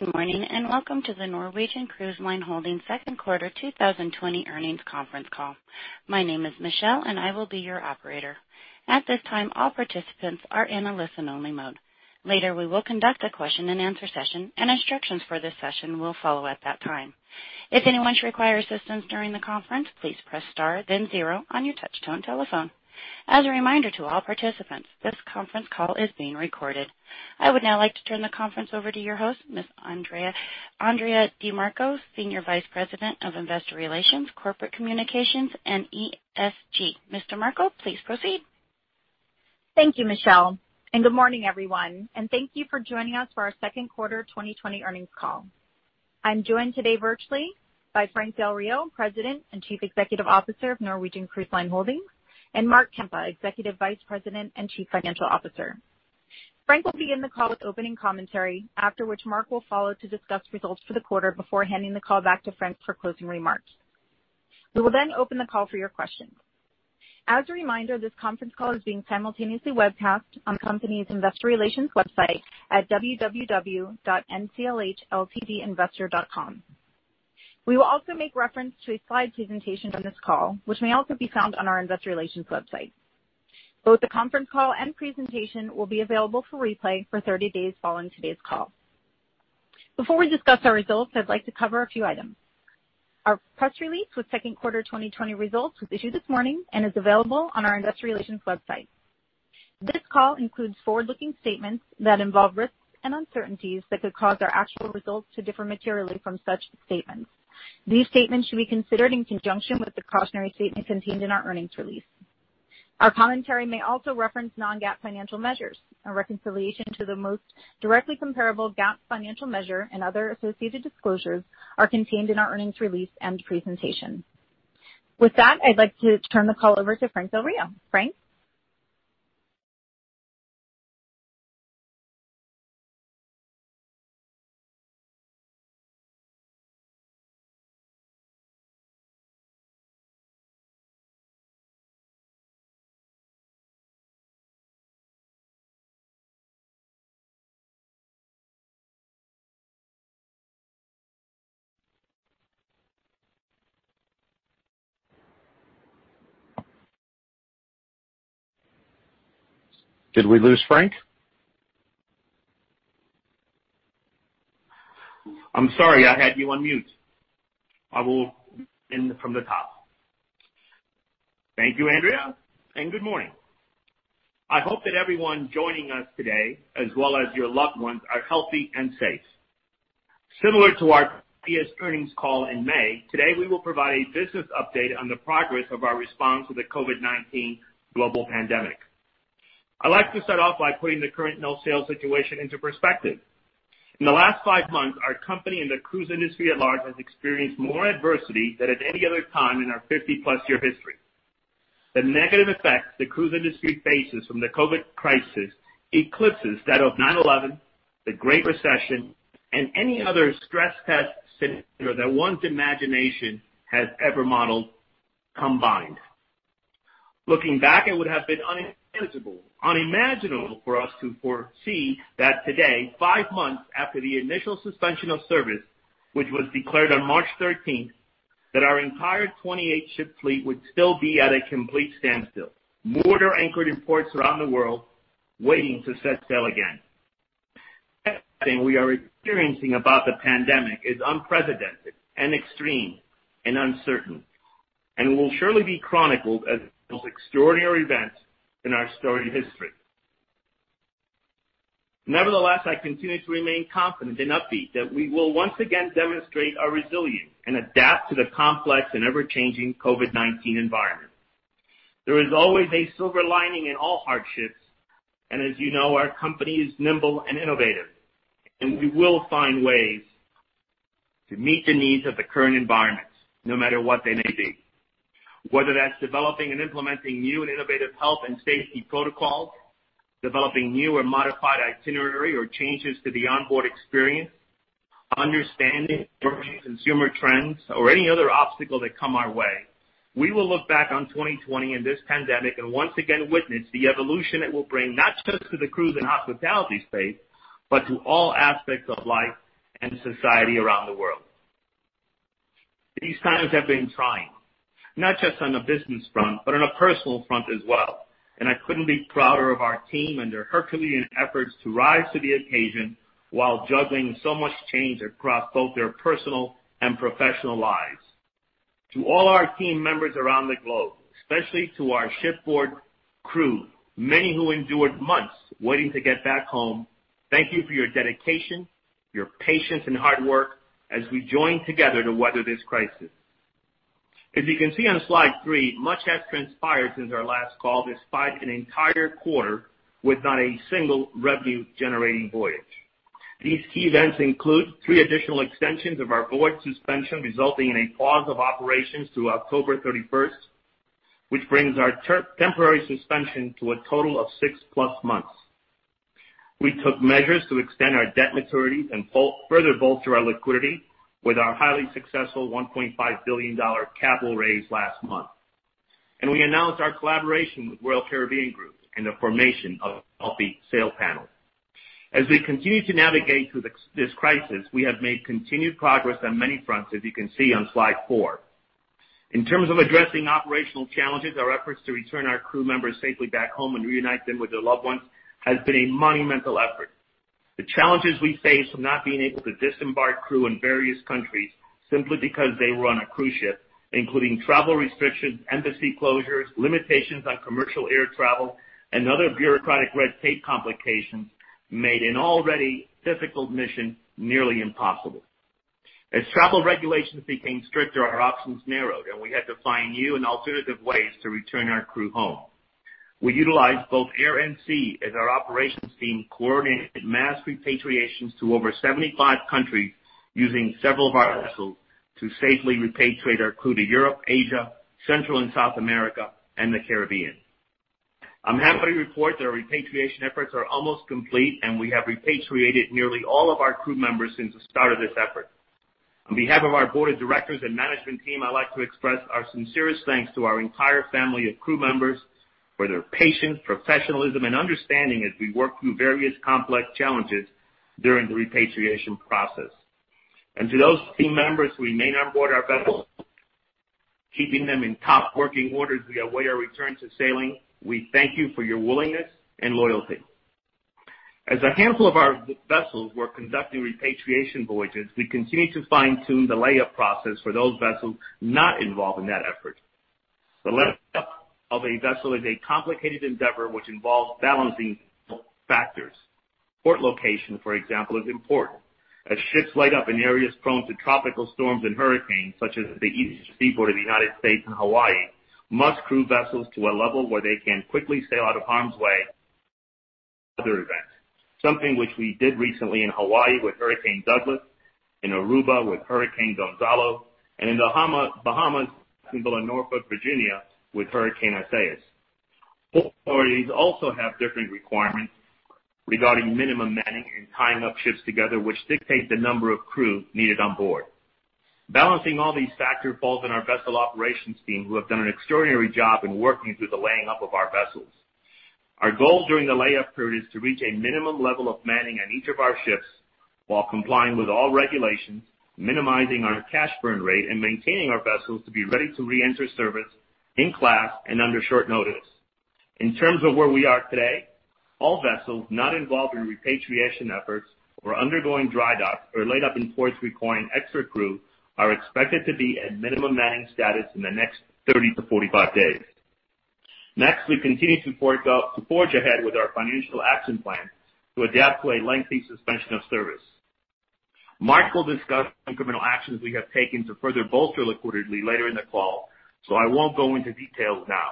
Good morning, welcome to the Norwegian Cruise Line Holdings second quarter 2020 earnings conference call. My name is Michelle, and I will be your operator. At this time, all participants are in a listen-only mode. Later, we will conduct a question-and-answer session, and instructions for this session will follow at that time. If anyone should require assistance during the conference, please press star then zero on your touch-tone telephone. As a reminder to all participants, this conference call is being recorded. I would now like to turn the conference over to your host, Ms. Andrea DeMarco, Senior Vice President of Investor Relations, Corporate Communications, and ESG. Ms. DeMarco, please proceed. Thank you, Michelle. Good morning, everyone, and thank you for joining us for our second quarter 2020 earnings call. I'm joined today virtually by Frank Del Rio, President and Chief Executive Officer of Norwegian Cruise Line Holdings, and Mark Kempa, Executive Vice President and Chief Financial Officer. Frank will begin the call with opening commentary, after which Mark will follow to discuss results for the quarter before handing the call back to Frank for closing remarks. We will open the call for your questions. As a reminder, this conference call is being simultaneously webcast on the company's investor relations website at www.nclhltdinvestor.com. We will also make reference to a slide presentation on this call, which may also be found on our investor relations website. Both the conference call and presentation will be available for replay for 30 days following today's call. Before we discuss our results, I'd like to cover a few items. Our press release with second quarter 2020 results was issued this morning and is available on our investor relations website. This call includes forward-looking statements that involve risks and uncertainties that could cause our actual results to differ materially from such statements. These statements should be considered in conjunction with the cautionary statements contained in our earnings release. Our commentary may also reference non-GAAP financial measures. A reconciliation to the most directly comparable GAAP financial measure and other associated disclosures are contained in our earnings release and presentation. With that, I'd like to turn the call over to Frank Del Rio. Frank? Did we lose Frank? I'm sorry. I had you on mute. I will begin from the top. Thank you, Andrea. Good morning. I hope that everyone joining us today, as well as your loved ones, are healthy and safe. Similar to our previous earnings call in May, today we will provide a business update on the progress of our response to the COVID-19 global pandemic. I'd like to start off by putting the current no-sail situation into perspective. In the last five months, our company and the cruise industry at large has experienced more adversity than at any other time in our 50+ year history. The negative effects the cruise industry faces from the COVID crisis eclipses that of 9/11, the Great Recession, and any other stress test scenario that one's imagination has ever modeled, combined. Looking back, it would have been unimaginable for us to foresee that today, five months after the initial suspension of service, which was declared on March 13th, that our entire 28-ship fleet would still be at a complete standstill, moored or anchored in ports around the world, waiting to set sail again. Everything we are experiencing about the pandemic is unprecedented and extreme and uncertain. Will surely be chronicled as extraordinary events in our storied history. Nevertheless, I continue to remain confident and upbeat that we will once again demonstrate our resilience and adapt to the complex and ever-changing COVID-19 environment. There is always a silver lining in all hardships. As you know, our company is nimble and innovative. We will find ways to meet the needs of the current environment, no matter what they may be. Whether that's developing and implementing new and innovative health and safety protocols, developing new or modified itinerary or changes to the onboard experience, understanding emerging consumer trends or any other obstacle that come our way. We will look back on 2020 and this pandemic and once again witness the evolution it will bring, not just to the cruise and hospitality space, but to all aspects of life and society around the world. These times have been trying, not just on a business front, but on a personal front as well, and I couldn't be prouder of our team and their Herculean efforts to rise to the occasion while juggling so much change across both their personal and professional lives. To all our team members around the globe, especially to our shipboard crew, many who endured months waiting to get back home, thank you for your dedication, your patience and hard work as we join together to weather this crisis. As you can see on slide three, much has transpired since our last call, despite an entire quarter with not a single revenue-generating voyage. These key events include three additional extensions of our voyage suspension, resulting in a pause of operations through October 31st, which brings our temporary suspension to a total of 6+ months. We took measures to extend our debt maturities and further bolster our liquidity with our highly successful $1.5 billion capital raise last month. We announced our collaboration with Royal Caribbean Group and the formation of the Healthy Sail Panel. As we continue to navigate through this crisis, we have made continued progress on many fronts, as you can see on slide four. In terms of addressing operational challenges, our efforts to return our crew members safely back home and reunite them with their loved ones has been a monumental effort. The challenges we face from not being able to disembark crew in various countries simply because they were on a cruise ship, including travel restrictions, embassy closures, limitations on commercial air travel, and other bureaucratic red tape complications, made an already difficult mission nearly impossible. As travel regulations became stricter, our options narrowed, and we had to find new and alternative ways to return our crew home. We utilized both air and sea as our operations team coordinated mass repatriations to over 75 countries using several of our vessels to safely repatriate our crew to Europe, Asia, Central and South America, and the Caribbean. I'm happy to report their repatriation efforts are almost complete, and we have repatriated nearly all of our crew members since the start of this effort. On behalf of our Board of Directors and management team, I'd like to express our sincerest thanks to our entire family of crew members for their patience, professionalism, and understanding as we work through various complex challenges during the repatriation process. To those team members who remain on board our vessels, keeping them in top working order as we await our return to sailing, we thank you for your willingness and loyalty. As a handful of our vessels were conducting repatriation voyages, we continued to fine-tune the layup process for those vessels not involved in that effort. The layup of a vessel is a complicated endeavor which involves balancing factors. Port location, for example, is important. As ships laid up in areas prone to tropical storms and hurricanes, such as the East Seaboard of the United States and Hawaii, must crew vessels to a level where they can quickly sail out of harm's way other events. Something which we did recently in Hawaii with Hurricane Douglas, in Aruba with Hurricane Gonzalo, and in the Bahamas and below Norfolk, Virginia, with Hurricane Isaias. Port authorities also have different requirements regarding minimum manning and tying up ships together, which dictates the number of crew needed on board. Balancing all these factors falls on our vessel operations team, who have done an extraordinary job in working through the laying up of our vessels. Our goal during the layup period is to reach a minimum level of manning on each of our ships while complying with all regulations, minimizing our cash burn rate, and maintaining our vessels to be ready to reenter service in class and under short notice. In terms of where we are today, all vessels not involved in repatriation efforts or undergoing dry dock or laid up in ports requiring extra crew are expected to be at minimum manning status in the next 30-45 days. Next, we continue to forge ahead with our financial action plan to adapt to a lengthy suspension of service. Mark will discuss incremental actions we have taken to further bolster liquidity later in the call. I won't go into details now.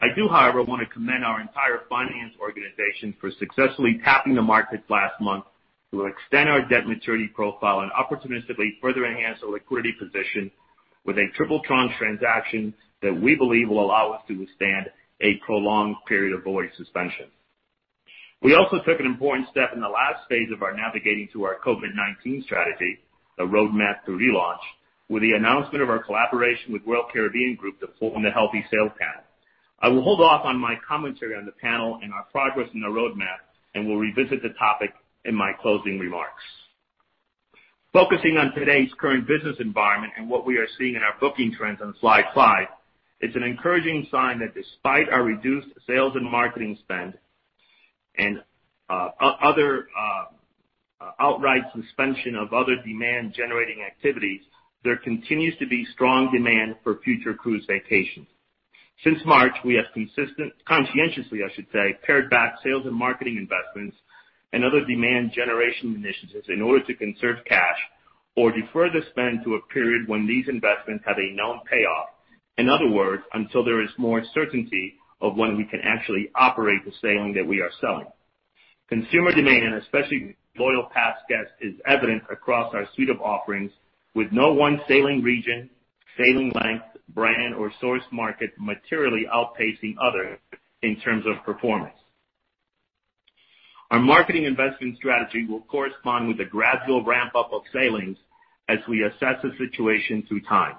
I do, however, want to commend our entire finance organization for successfully tapping the markets last month to extend our debt maturity profile and opportunistically further enhance our liquidity position with a triple-tranche transaction that we believe will allow us to withstand a prolonged period of voyage suspension. We also took an important step in the last phase of our Navigating Through Our COVID-19 strategy, the Roadmap to Relaunch, with the announcement of our collaboration with Royal Caribbean Group to form the Healthy Sail Panel. I will hold off on my commentary on the panel and our progress in the roadmap. I will revisit the topic in my closing remarks. Focusing on today's current business environment and what we are seeing in our booking trends on slide five, it's an encouraging sign that despite our reduced sales and marketing spend and other outright suspension of other demand-generating activities, there continues to be strong demand for future cruise vacations. Since March, we have conscientiously, I should say, pared back sales and marketing investments and other demand generation initiatives in order to conserve cash or defer the spend to a period when these investments have a known payoff. In other words, until there is more certainty of when we can actually operate the sailing that we are selling. Consumer demand, especially loyal past guests, is evident across our suite of offerings with no one sailing region, sailing length, brand, or source market materially outpacing others in terms of performance. Our marketing investment strategy will correspond with the gradual ramp-up of sailings as we assess the situation through time.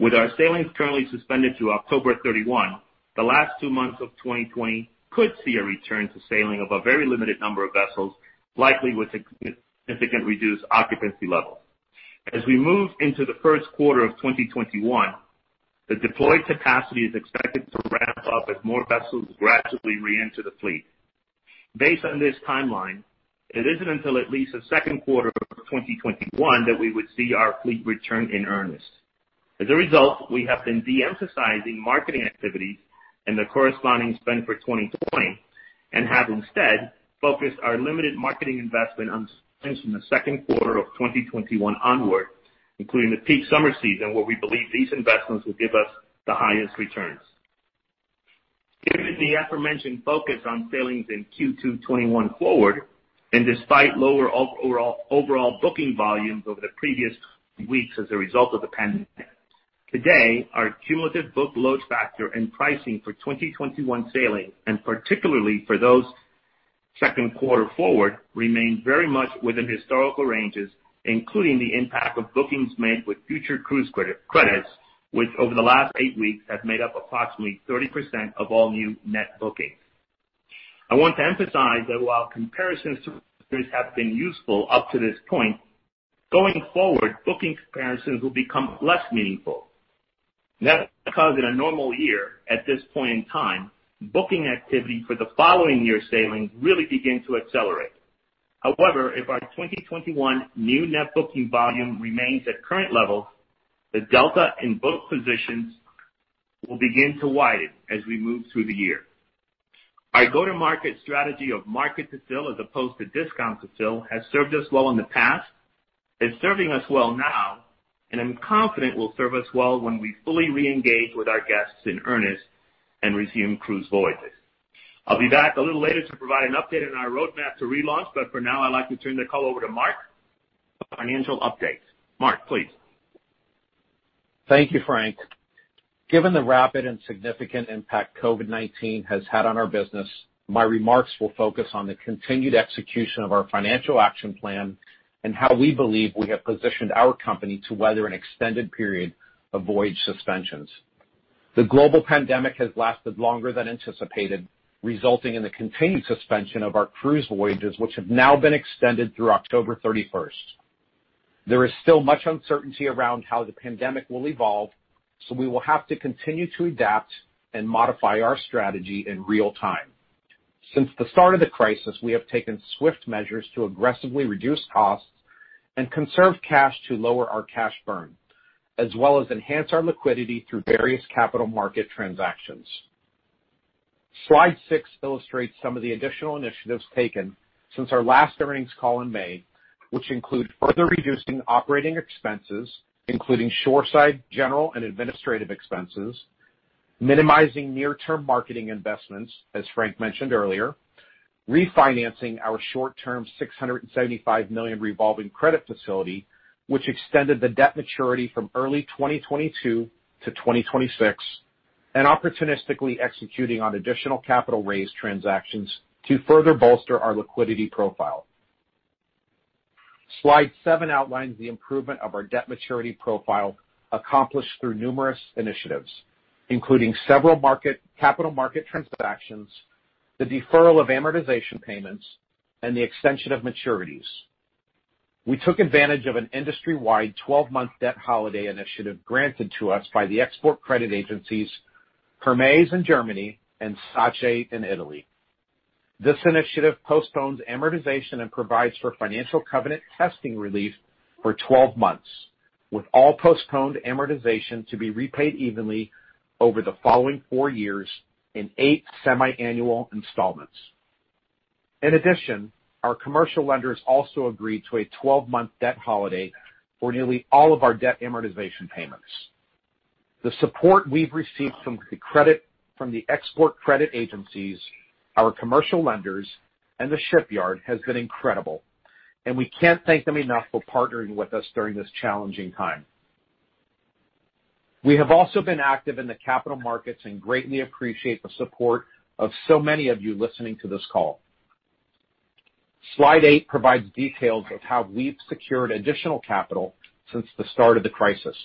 With our sailings currently suspended to October 31, the last two months of 2020 could see a return to sailing of a very limited number of vessels, likely with significantly reduced occupancy levels. As we move into the first quarter of 2021, the deployed capacity is expected to ramp up as more vessels gradually reenter the fleet. Based on this timeline, it isn't until at least the second quarter of 2021 that we would see our fleet return in earnest. As a result, we have been de-emphasizing marketing activities and the corresponding spend for 2020 and have instead focused our limited marketing investment on spends in the second quarter of 2021 onward, including the peak summer season, where we believe these investments will give us the highest returns. Given the aforementioned focus on sailings in Q2 2021 forward, and despite lower overall booking volumes over the previous weeks as a result of the pandemic, today our cumulative booked load factor and pricing for 2021 sailing, and particularly for those second quarter forward remains very much within historical ranges, including the impact of bookings made with future cruise credits, which over the last eight weeks have made up approximately 30% of all new net bookings. I want to emphasize that while comparison have been useful up to this point, going forward, booking comparisons will become less meaningful. That is because in a normal year, at this point in time, booking activity for the following year's sailing really begin to accelerate. However, if our 2021 new net booking volume remains at current levels, the delta in book positions will begin to widen as we move through the year. Our go-to-market strategy of market-to-fill as opposed to discount to fill has served us well in the past, is serving us well now, and I'm confident will serve us well when we fully reengage with our guests in earnest and resume cruise voyages. I'll be back a little later to provide an update on our roadmap to relaunch, but for now, I'd like to turn the call over to Mark for financial updates. Mark, please. Thank you, Frank. Given the rapid and significant impact COVID-19 has had on our business, my remarks will focus on the continued execution of our financial action plan and how we believe we have positioned our company to weather an extended period of voyage suspensions. The global pandemic has lasted longer than anticipated, resulting in the continued suspension of our cruise voyages, which have now been extended through October 31st. There is still much uncertainty around how the pandemic will evolve, so we will have to continue to adapt and modify our strategy in real time. Since the start of the crisis, we have taken swift measures to aggressively reduce costs and conserve cash to lower our cash burn, as well as enhance our liquidity through various capital market transactions. Slide six illustrates some of the additional initiatives taken since our last earnings call in May, which include further reducing operating expenses, including shoreside, general, and administrative expenses, minimizing near-term marketing investments, as Frank mentioned earlier, refinancing our short-term $675 million revolving credit facility, which extended the debt maturity from early 2022-2026, and opportunistically executing on additional capital raise transactions to further bolster our liquidity profile. Slide seven outlines the improvement of our debt maturity profile accomplished through numerous initiatives, including several capital market transactions, the deferral of amortization payments, and the extension of maturities. We took advantage of an industry-wide 12-month debt holiday initiative granted to us by the export credit agencies, Hermes in Germany and SACE in Italy. This initiative postpones amortization and provides for financial covenant testing relief for 12 months, with all postponed amortization to be repaid evenly over the following four years in eight semi-annual installments. In addition, our commercial lenders also agreed to a 12-month debt holiday for nearly all of our debt amortization payments. The support we've received from the export credit agencies, our commercial lenders, and the shipyard has been incredible, and we can't thank them enough for partnering with us during this challenging time. We have also been active in the capital markets and greatly appreciate the support of so many of you listening to this call. Slide eight provides details of how we've secured additional capital since the start of the crisis.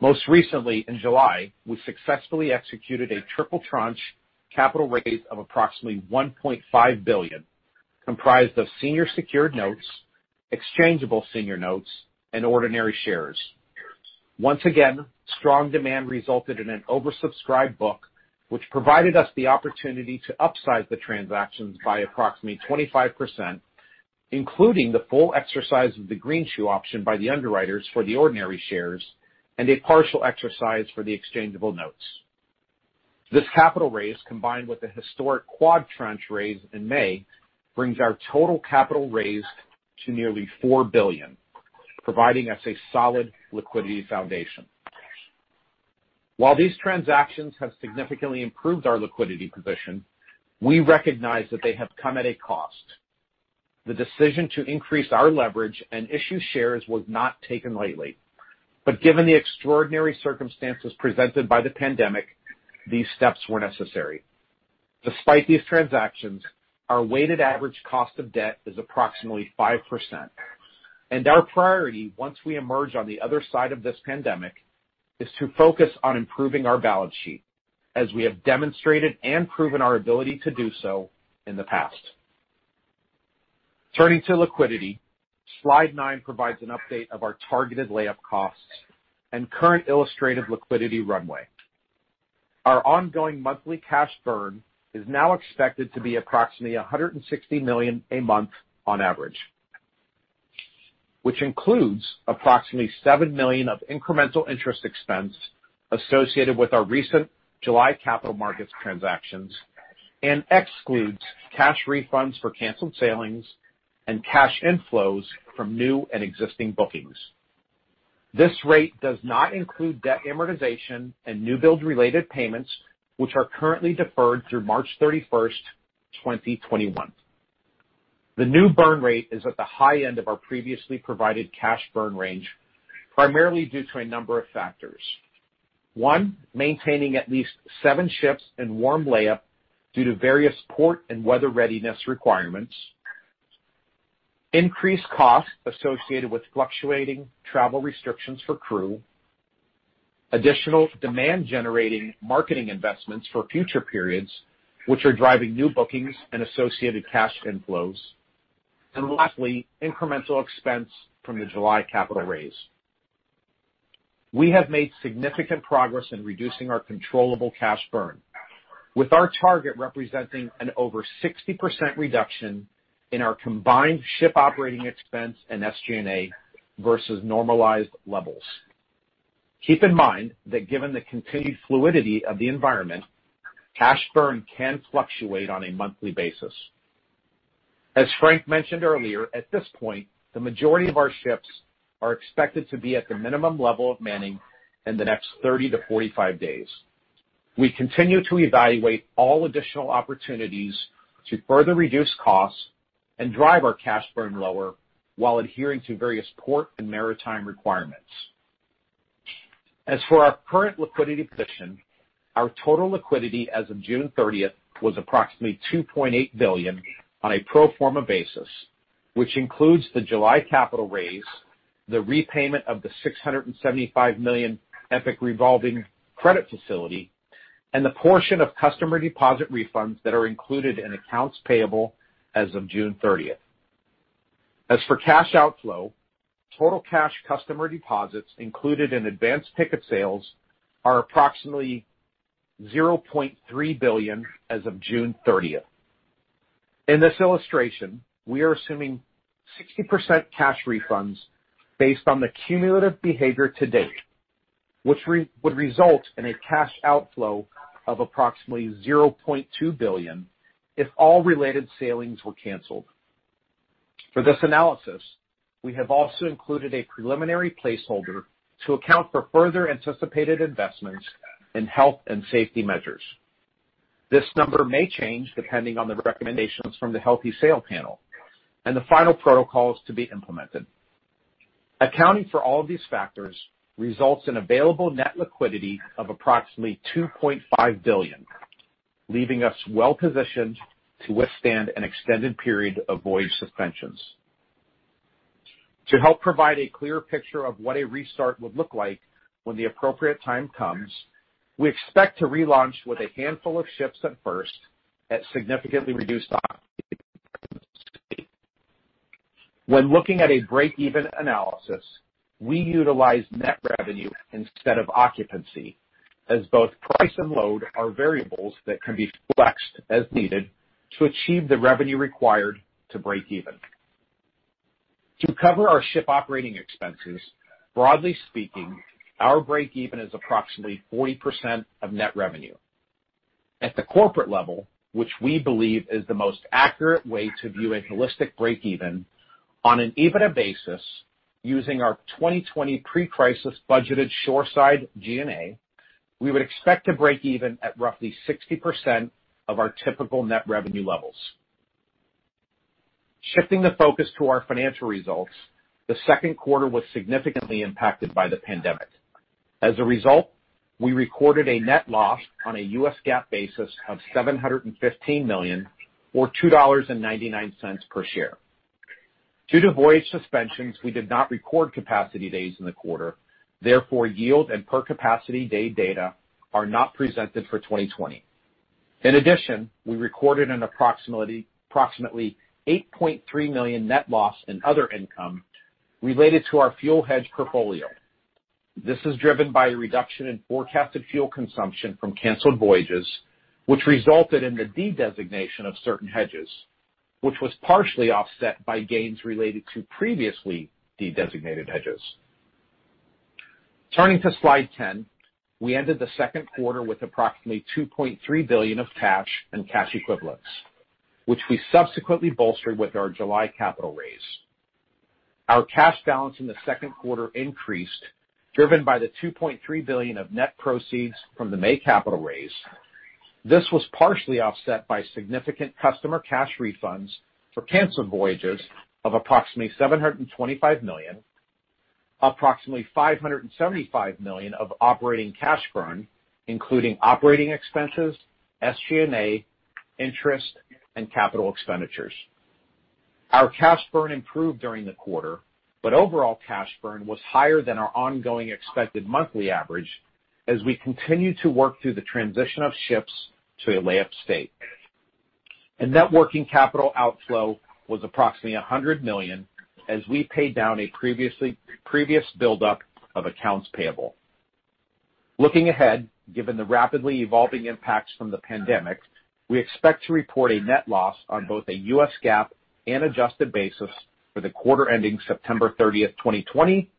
Most recently, in July, we successfully executed a triple-tranche capital raise of approximately $1.5 billion, comprised of senior secured notes, exchangeable senior notes, and ordinary shares. Once again, strong demand resulted in an oversubscribed book, which provided us the opportunity to upsize the transactions by approximately 25%, including the full exercise of the greenshoe option by the underwriters for the ordinary shares and a partial exercise for the exchangeable notes. This capital raise, combined with the historic quad tranches raise in May, brings our total capital raised to nearly $4 billion, providing us a solid liquidity foundation. While these transactions have significantly improved our liquidity position, we recognize that they have come at a cost. The decision to increase our leverage and issue shares was not taken lightly. Given the extraordinary circumstances presented by the pandemic, these steps were necessary. Despite these transactions, our weighted average cost of debt is approximately 5%. Our priority, once we emerge on the other side of this pandemic, is to focus on improving our balance sheet, as we have demonstrated and proven our ability to do so in the past. Turning to liquidity, slide nine provides an update of our targeted layup costs and current illustrative liquidity runway. Our ongoing monthly cash burn is now expected to be approximately $160 million a month on average, which includes approximately $7 million of incremental interest expense associated with our recent July capital markets transactions and excludes cash refunds for canceled sailings and cash inflows from new and existing bookings. This rate does not include debt amortization and new build-related payments, which are currently deferred through March 31st, 2021. The new burn rate is at the high end of our previously provided cash burn range, primarily due to a number of factors. One, maintaining at least seven ships in warm layup due to various port and weather readiness requirements, increased costs associated with fluctuating travel restrictions for crew, additional demand-generating marketing investments for future periods, which are driving new bookings and associated cash inflows, and lastly, incremental expense from the July capital raise. We have made significant progress in reducing our controllable cash burn, with our target representing an over 60% reduction in our combined ship operating expense and SG&A versus normalized levels. Keep in mind that given the continued fluidity of the environment, cash burn can fluctuate on a monthly basis. As Frank mentioned earlier, at this point, the majority of our ships are expected to be at the minimum level of manning in the next 30-45 days. We continue to evaluate all additional opportunities to further reduce costs and drive our cash burn lower while adhering to various port and maritime requirements. As for our current liquidity position, our total liquidity as of June 30th was approximately $2.8 billion on a pro forma basis, which includes the July capital raise, the repayment of the $675 million Epic revolving credit facility, and the portion of customer deposit refunds that are included in accounts payable as of June 30th. As for cash outflow, total cash customer deposits included in advance ticket sales are approximately $0.3 billion as of June 30th. In this illustration, we are assuming 60% cash refunds based on the cumulative behavior to date, which would result in a cash outflow of approximately $0.2 billion if all related sailings were canceled. For this analysis, we have also included a preliminary placeholder to account for further anticipated investments in health and safety measures. This number may change depending on the recommendations from the Healthy Sail Panel and the final protocols to be implemented. Accounting for all of these factors results in available net liquidity of approximately $2.5 billion, leaving us well-positioned to withstand an extended period of voyage suspensions. To help provide a clear picture of what a restart would look like when the appropriate time comes, we expect to relaunch with a handful of ships at first at significantly reduced. When looking at a break-even analysis, we utilize net revenue instead of occupancy, as both price and load are variables that can be flexed as needed to achieve the revenue required to break even. To cover our ship operating expenses, broadly speaking, our break even is approximately 40% of net revenue. At the corporate level, which we believe is the most accurate way to view a holistic break even, on an EBITDA basis, using our 2020 pre-crisis budgeted shoreside G&A, we would expect to break even at roughly 60% of our typical net revenue levels. Shifting the focus to our financial results, the second quarter was significantly impacted by the pandemic. As a result, we recorded a net loss on a U.S. GAAP basis of $715 million or $2.99 per share. Due to voyage suspensions, we did not record capacity days in the quarter. Therefore, yield and per capacity day data are not presented for 2020. In addition, we recorded an approximately $8.3 million net loss in other income related to our fuel hedge portfolio. This is driven by a reduction in forecasted fuel consumption from canceled voyages, which resulted in the dedesignation of certain hedges, which was partially offset by gains related to previously dedesignated hedges. Turning to slide 10, we ended the second quarter with approximately $2.3 billion of cash and cash equivalents, which we subsequently bolstered with our July capital raise. Our cash balance in the second quarter increased, driven by the $2.3 billion of net proceeds from the May capital raise. This was partially offset by significant customer cash refunds for canceled voyages of approximately $725 million, approximately $575 million of operating cash burn, including operating expenses, SG&A, interest, and capital expenditures. Our cash burn improved during the quarter, but overall cash burn was higher than our ongoing expected monthly average as we continue to work through the transition of ships to a layup state. Net working capital outflow was approximately $100 million as we paid down a previous buildup of accounts payable. Looking ahead, given the rapidly evolving impacts from the pandemic, we expect to report a net loss on both a U.S. GAAP and adjusted basis for the quarter ending September 30th, 2020,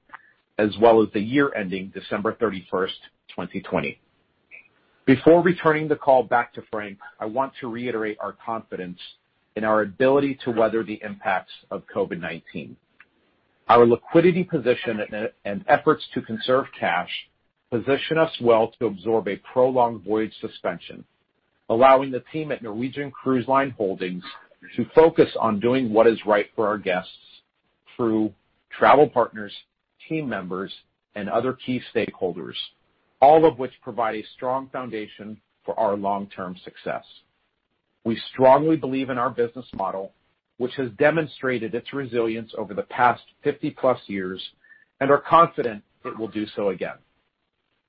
as well as the year ending December 31st, 2020. Before returning the call back to Frank, I want to reiterate our confidence in our ability to weather the impacts of COVID-19. Our liquidity position and efforts to conserve cash position us well to absorb a prolonged voyage suspension, allowing the team at Norwegian Cruise Line Holdings to focus on doing what is right for our guests through travel partners, team members, and other key stakeholders, all of which provide a strong foundation for our long-term success. We strongly believe in our business model, which has demonstrated its resilience over the past 50+ years, and are confident it will do so again.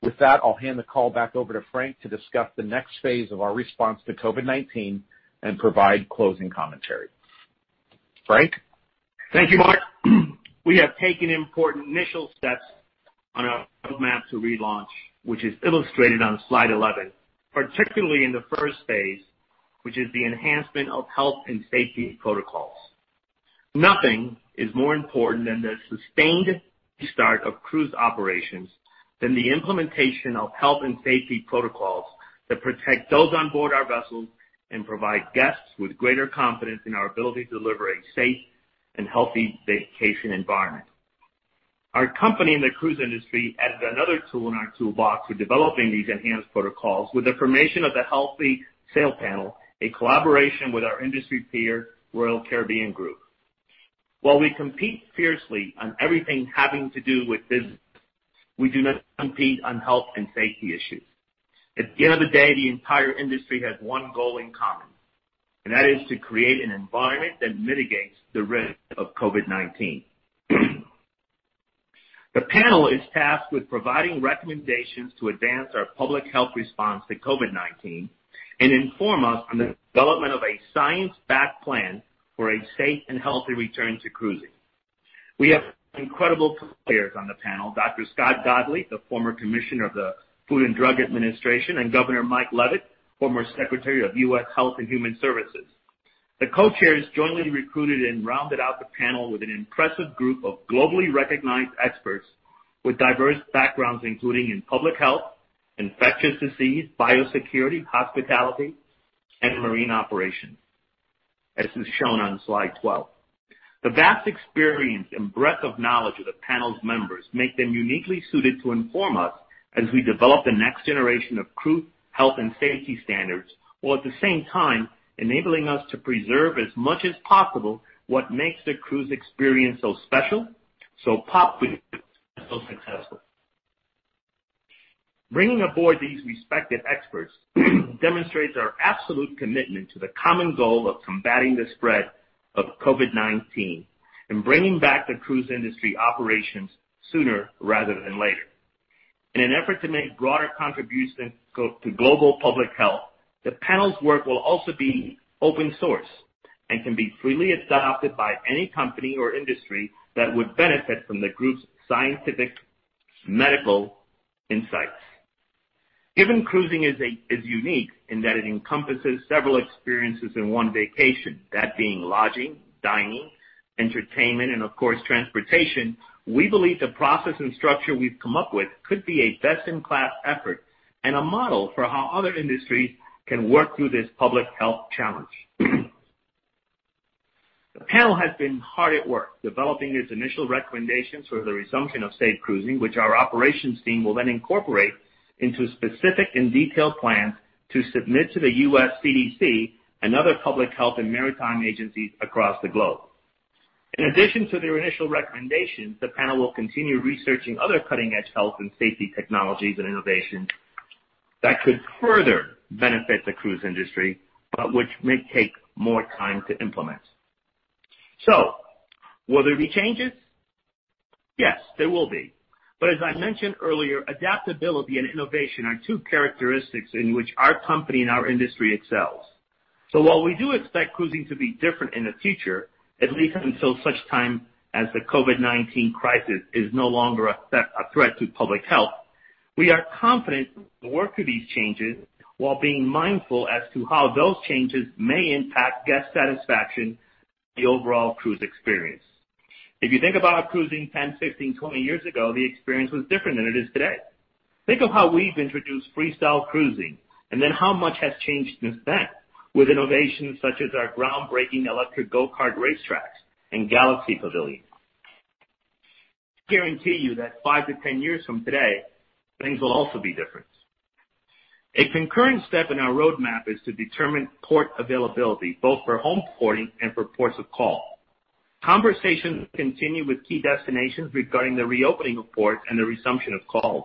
With that, I'll hand the call back over to Frank to discuss the next phase of our response to COVID-19 and provide closing commentary. Frank? Thank you, Mark. We have taken important initial steps on our roadmap to relaunch, which is illustrated on slide 11, particularly in the first phase, which is the enhancement of health and safety protocols. Nothing is more important than the sustained restart of cruise operations than the implementation of health and safety protocols that protect those on board our vessels and provide guests with greater confidence in our ability to deliver a safe and healthy vacation environment. Our company and the cruise industry added another tool in our toolbox for developing these enhanced protocols with the formation of the Healthy Sail Panel, a collaboration with our industry peer, Royal Caribbean Group. While we compete fiercely on everything having to do with business, we do not compete on health and safety issues. At the end of the day, the entire industry has one goal in common, that is to create an environment that mitigates the risk of COVID-19. The panel is tasked with providing recommendations to advance our public health response to COVID-19 and inform us on the development of a science-backed plan for a safe and healthy return to cruising. We have incredible Co-chairs on the panel, Dr. Scott Gottlieb, the former Commissioner of the Food and Drug Administration, and Governor Mike Leavitt, former Secretary of U.S. Health and Human Services. The Co-chairs jointly recruited and rounded out the panel with an impressive group of globally recognized experts with diverse backgrounds, including in public health, infectious disease, biosecurity, hospitality, and marine operations, as is shown on slide 12. The vast experience and breadth of knowledge of the panel's members make them uniquely suited to inform us as we develop the next generation of cruise health and safety standards, while at the same time enabling us to preserve as much as possible what makes the cruise experience so special, so popular, and so successful. Bringing aboard these respected experts demonstrates our absolute commitment to the common goal of combating the spread of COVID-19 and bringing back the cruise industry operations sooner rather than later. In an effort to make broader contributions to global public health, the panel's work will also be open source and can be freely adopted by any company or industry that would benefit from the group's scientific medical insights. Given cruising is unique in that it encompasses several experiences in one vacation, that being lodging, dining, entertainment, and of course, transportation, we believe the process and structure we've come up with could be a best-in-class effort and a model for how other industries can work through this public health challenge. The panel has been hard at work developing its initial recommendations for the resumption of safe cruising, which our operations team will then incorporate into specific and detailed plans to submit to the U.S. CDC and other public health and maritime agencies across the globe. In addition to their initial recommendations, the panel will continue researching other cutting-edge health and safety technologies and innovations that could further benefit the cruise industry, but which may take more time to implement. Will there be changes? Yes, there will be. As I mentioned earlier, adaptability and innovation are two characteristics in which our company and our industry excels. While we do expect cruising to be different in the future, at least until such time as the COVID-19 crisis is no longer a threat to public health, we are confident we'll work through these changes while being mindful as to how those changes may impact guest satisfaction and the overall cruise experience. If you think about cruising 10, 15, 20 years ago, the experience was different than it is today. Think of how we've introduced Freestyle Cruising, and then how much has changed since then with innovations such as our groundbreaking electric go-kart race tracks and Galaxy Pavilion. I guarantee you that 5-10 years from today, things will also be different. A concurrent step in our roadmap is to determine port availability, both for home porting and for ports of call. Conversations continue with key destinations regarding the reopening of ports and the resumption of calls.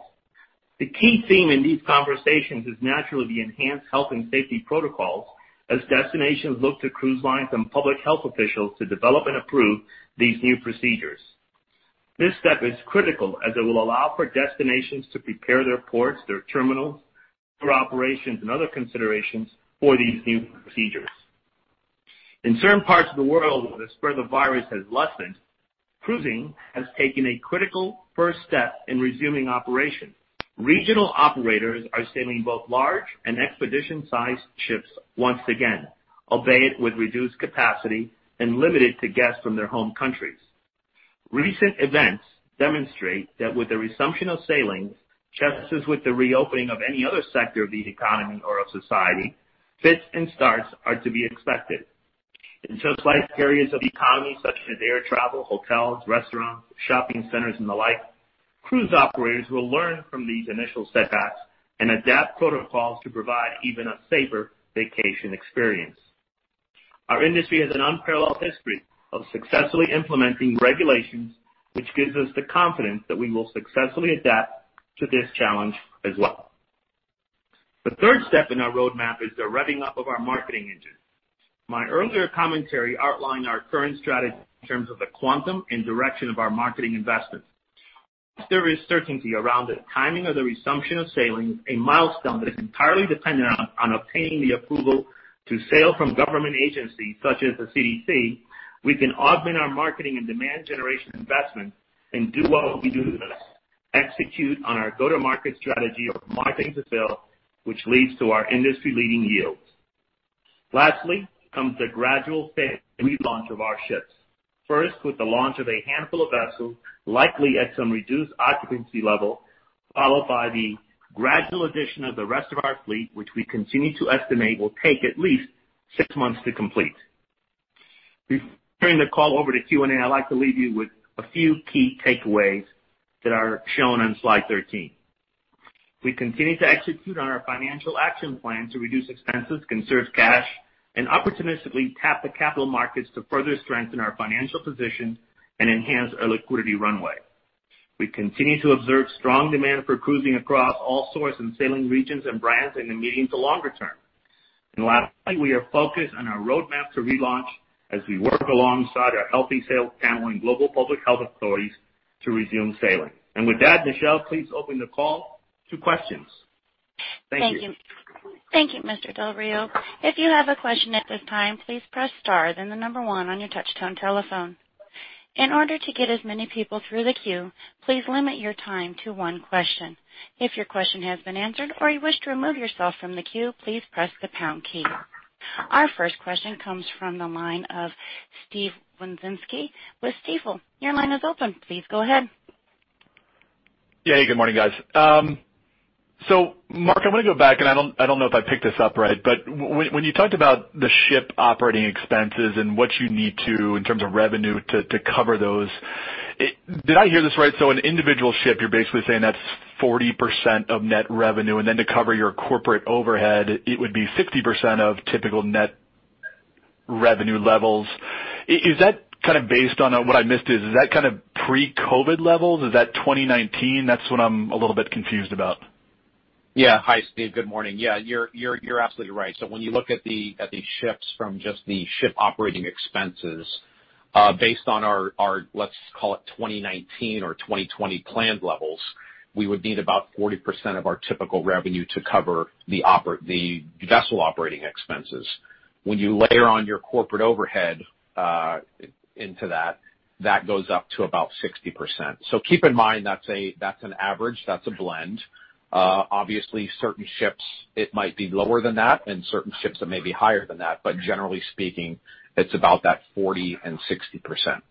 The key theme in these conversations is naturally the enhanced health and safety protocols as destinations look to cruise lines and public health officials to develop and approve these new procedures. This step is critical as it will allow for destinations to prepare their ports, their terminals for operations and other considerations for these new procedures. In certain parts of the world where the spread of the virus has lessened, cruising has taken a critical first step in resuming operations. Regional operators are sailing both large and expedition-sized ships once again, albeit with reduced capacity and limited to guests from their home countries. Recent events demonstrate that with the resumption of sailing, just as with the reopening of any other sector of the economy or of society, fits and starts are to be expected. In just like areas of economy such as air travel, hotels, restaurants, shopping centers, and the like, cruise operators will learn from these initial setbacks and adapt protocols to provide even a safer vacation experience. Our industry has an unparalleled history of successfully implementing regulations, which gives us the confidence that we will successfully adapt to this challenge as well. The third step in our roadmap is the revving up of our marketing engine. My earlier commentary outlined our current strategy in terms of the quantum and direction of our marketing investments. There is certainty around the timing of the resumption of sailing, a milestone that is entirely dependent on obtaining the approval to sail from government agencies such as the CDC. We can augment our marketing and demand generation investment and do what we do the best, execute on our go-to-market strategy of market-to-fill, which leads to our industry-leading yields. Lastly comes the gradual phase and relaunch of our ships. First, with the launch of a handful of vessels, likely at some reduced occupancy level, followed by the gradual addition of the rest of our fleet, which we continue to estimate will take at least six months to complete. Before I turn the call over to Q&A, I'd like to leave you with a few key takeaways that are shown on slide 13. We continue to execute on our financial action plan to reduce expenses, conserve cash, and opportunistically tap the capital markets to further strengthen our financial position and enhance our liquidity runway. We continue to observe strong demand for cruising across all source and sailing regions and brands in the medium to longer term. Lastly, we are focused on our roadmap to relaunch as we work alongside our Healthy Sail Panel and global public health authorities to resume sailing. With that, Michelle, please open the call to questions. Thank you. Thank you. Thank you, Mr. Del Rio. If you have a question at this time, please press star, then the number one on your touchtone telephone. In order to get as many people through the queue, please limit your time to one question. If your question has been answered or you wish to remove yourself from the queue, please press the pound key. Our first question comes from the line of Steve Wieczynski with Stifel. Your line is open. Please go ahead. Yeah. Hey, good morning, guys. Mark, I want to go back, and I don't know if I picked this up right, but when you talked about the ship operating expenses and what you need to in terms of revenue to cover those, did I hear this right? An individual ship, you're basically saying that's 40% of net revenue, and then to cover your corporate overhead, it would be 60% of typical net revenue levels. Is that based on, what I missed is that pre-COVID levels? Is that 2019? That's what I'm a little bit confused about. Hi, Steve. Good morning. You're absolutely right. When you look at the ships from just the ship operating expenses, based on our, let's call it 2019 or 2020 planned levels, we would need about 40% of our typical revenue to cover the vessel operating expenses. When you layer on your corporate overhead into that goes up to about 60%. Keep in mind, that's an average. That's a blend. Obviously, certain ships, it might be lower than that, and certain ships it may be higher than that. Generally speaking, it's about that 40% and 60%.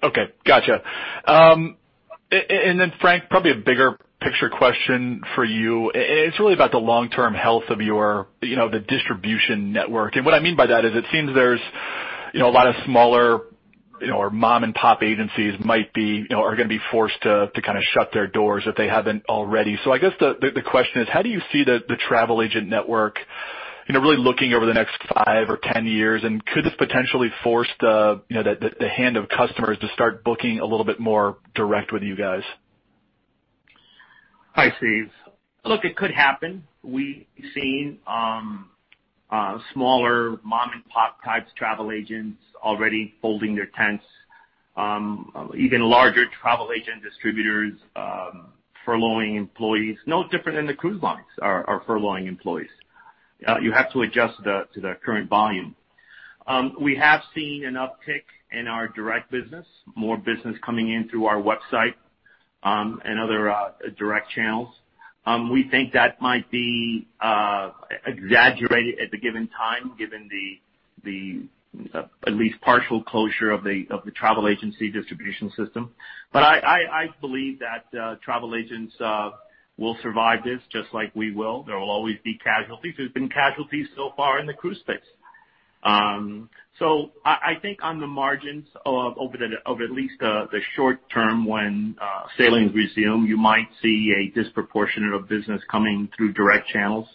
Okay. Gotcha. Frank, probably a bigger picture question for you. It's really about the long-term health of the distribution network. What I mean by that is it seems there's a lot of smaller mom-and-pop agencies are going to be forced to shut their doors if they haven't already. I guess the question is, how do you see the travel agent network really looking over the next five or 10 years? Could this potentially force the hand of customers to start booking a little bit more direct with you guys? Hi, Steve. Look, it could happen. We've seen smaller mom-and-pop-type travel agents already folding their tents. Even larger travel agent distributors furloughing employees, no different than the cruise lines are furloughing employees. You have to adjust to the current volume. We have seen an uptick in our direct business, more business coming in through our website, and other direct channels. We think that might be exaggerated at the given time, given the at least partial closure of the travel agency distribution system. I believe that travel agents will survive this just like we will. There will always be casualties. There's been casualties so far in the cruise space. I think on the margins over at least the short term when sailings resume, you might see a disproportionate of business coming through direct channels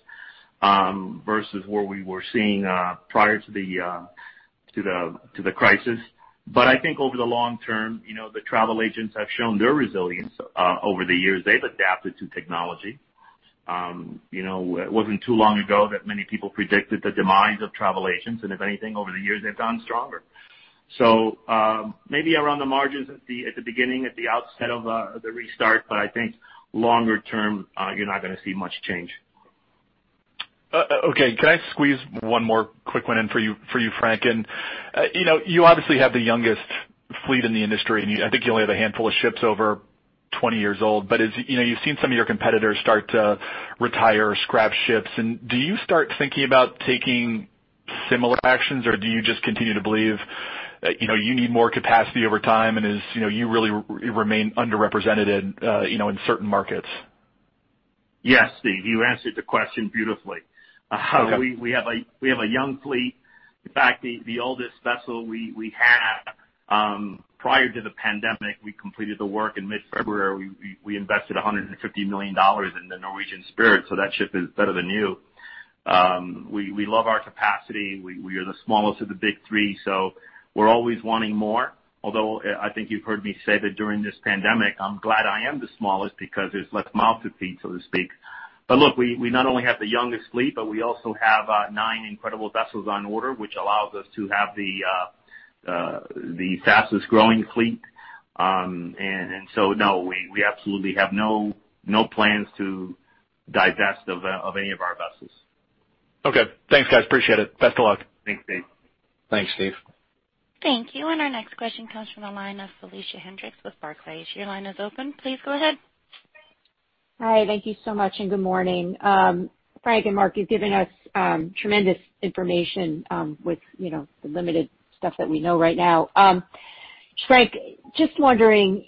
versus where we were seeing prior to the crisis. I think over the long term, the travel agents have shown their resilience over the years. They've adapted to technology. It wasn't too long ago that many people predicted the demise of travel agents, and if anything, over the years, they've gotten stronger. Maybe around the margins at the beginning, at the outset of the restart, but I think longer term, you're not going to see much change. Okay. Can I squeeze one more quick one in for you, Frank? You obviously have the youngest fleet in the industry, and I think you only have a handful of ships over 20 years old. You've seen some of your competitors start to retire or scrap ships. Do you start thinking about taking similar actions or do you just continue to believe you need more capacity over time and you really remain underrepresented in certain markets? Yes, Steve, you answered the question beautifully. Okay. We have a young fleet. The oldest vessel we had prior to the pandemic, we completed the work in mid-February. We invested $150 million in the Norwegian Spirit, that ship is better than new. We love our capacity. We are the smallest of the big three, we're always wanting more. I think you've heard me say that during this pandemic, I'm glad I am the smallest because there's less mouth to feed, so to speak. Look, we not only have the youngest fleet, we also have nine incredible vessels on order, which allows us to have the fastest-growing fleet. No, we absolutely have no plans to divest of any of our vessels. Okay. Thanks, guys. Appreciate it. Best of luck. Thanks, Steve. Thanks, Steve. Thank you. Our next question comes from the line of Felicia Hendrix with Barclays. Your line is open. Please go ahead. Hi. Thank you so much, good morning. Frank and Mark, you've given us tremendous information with the limited stuff that we know right now. Frank, just wondering,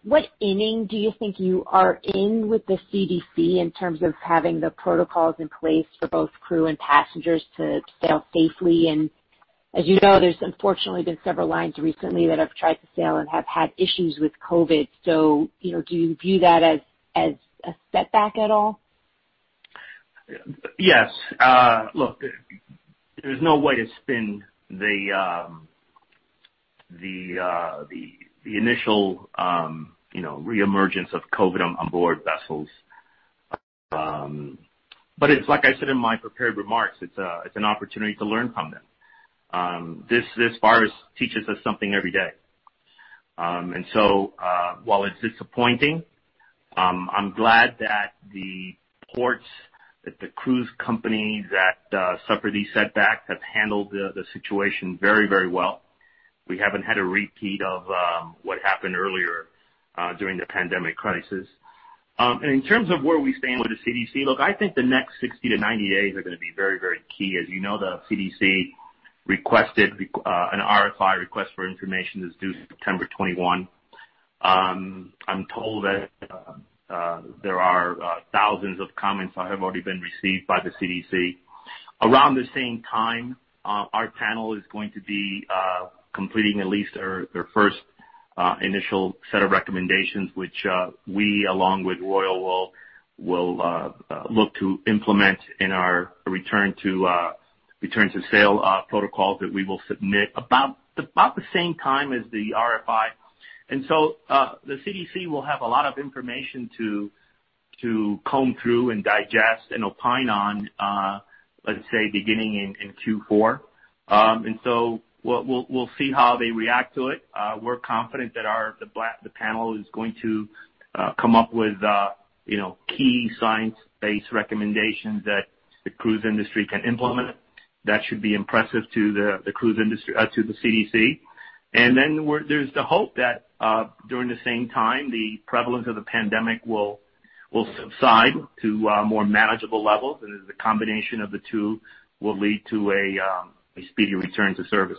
what inning do you think you are in with the CDC in terms of having the protocols in place for both crew and passengers to sail safely? As you know, there's unfortunately been several lines recently that have tried to sail and have had issues with COVID. Do you view that as a setback at all? Yes. Look, there's no way to spin the initial reemergence of COVID on board vessels. It's like I said in my prepared remarks, it's an opportunity to learn from them. This virus teaches us something every day. While it's disappointing, I'm glad that the ports, that the cruise companies that suffer these setbacks have handled the situation very well. We haven't had a repeat of what happened earlier during the pandemic crisis. In terms of where we stand with the CDC, look, I think the next 60-90 days are going to be very key. As you know, the CDC requested an RFI, request for information, is due September 21. I'm told that there are thousands of comments that have already been received by the CDC. Around the same time, our panel is going to be completing at least their first initial set of recommendations, which we, along with Royal, will look to implement in our return-to-sail protocols that we will submit about the same time as the RFI. The CDC will have a lot of information to comb through and digest and opine on, let's say, beginning in Q4. We'll see how they react to it. We're confident that the panel is going to come up with key science-based recommendations that the cruise industry can implement that should be impressive to the CDC. There's the hope that during the same time, the prevalence of the pandemic will subside to more manageable levels, and the combination of the two will lead to a speedy return to service.